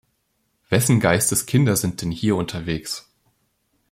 Wessen Geistes Kinder sind denn hier unterwegs?